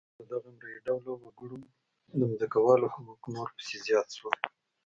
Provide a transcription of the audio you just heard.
پر دغو مري ډوله وګړو د ځمکوالو حقوق نور پسې زیات شول.